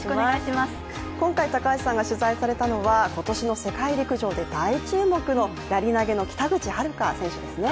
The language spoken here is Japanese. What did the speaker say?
今回、高橋さんが取材されたのは今年の世界陸上で大注目のやり投げの北口榛花選手ですね。